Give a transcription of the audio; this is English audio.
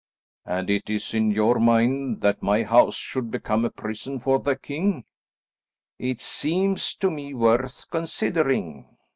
"And it is in your mind that my house should become a prison for the king?" "It seems to me worth considering."